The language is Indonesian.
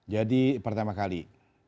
jadi pertama kali